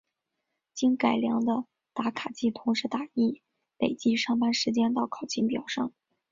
经改良的打卡机同时打印累计上班时间到考勤表上。